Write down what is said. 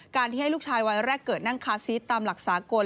การที่ให้ลูกชายวัยแรกเกิดนั่งคาซีสตามหลักสากล